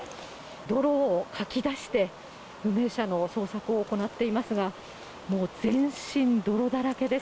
泥をかき出して、不明者の捜索を行っていますが、もう全身泥だらけです。